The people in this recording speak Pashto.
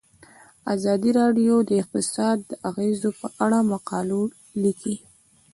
ازادي راډیو د اقتصاد د اغیزو په اړه مقالو لیکلي.